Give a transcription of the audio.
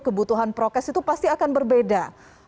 kebutuhan prokes itu pasti akan berbeda